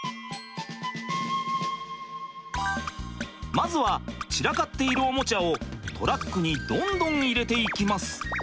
まずは散らかっているおもちゃをトラックにどんどん入れていきます。